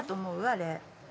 あれ。